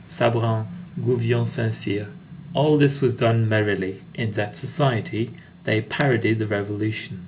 Sabran. Gouvion Saint Cyr_.—All this was done merrily. In that society, they parodied the Revolution.